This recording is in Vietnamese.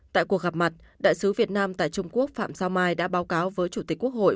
tại cuộc gặp mặt đại sứ việt nam tại trung quốc phạm sao mai đã báo cáo với chủ tịch quốc hội